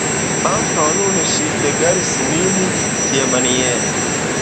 Ankaŭ nun ŝi regalis min tiamaniere.